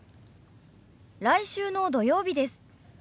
来週の土曜日です。